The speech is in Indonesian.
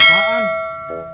ternyata bang belum jalan